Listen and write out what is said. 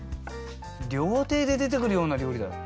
料亭で出てくるような料理だ。